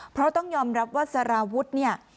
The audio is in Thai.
เพราะต้องยอมรับว่าสารวุฒิเนี่ย